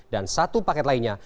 dan satu paket lainnya